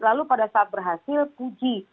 lalu pada saat berhasil kuji